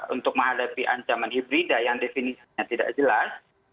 untuk menghadapi ancaman hibrida yang definisinya tidak jelas